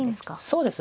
そうですね。